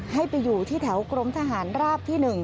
ให้ไปอยู่ที่แถวกรมทหารราบที่๑